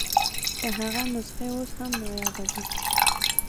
د هغه نسخې اوس هم نایابه دي.